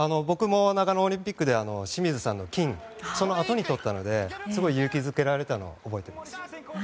僕も長野オリンピックで清水さんの金のあとにとったのですごく勇気づけられたのを覚えています。